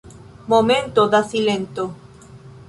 Momento da silento.